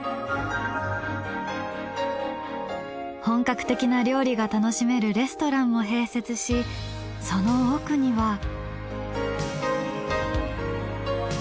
本格的な料理が楽しめるレストランも併設しその奥には。